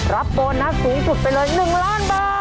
โบนัสสูงสุดไปเลย๑ล้านบาท